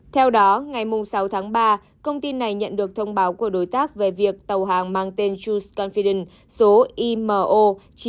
theo đó ngày sáu tháng ba công ty này nhận được thông báo của đối tác về việc tàu hàng mang tên true confidence số imo chín triệu bốn trăm sáu mươi nghìn bảy trăm tám mươi bốn